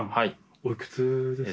おいくつですか？